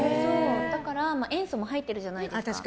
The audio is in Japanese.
塩素も入ってるじゃないですか。